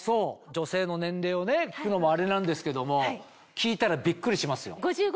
女性の年齢を聞くのもあれなんですけども聞いたらビックリしますよ。